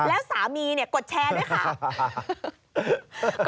แล้วสามีกดแชร์ด้วยค่ะ